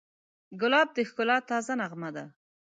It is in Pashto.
ګلاب د ښکلا تازه نغمه ده.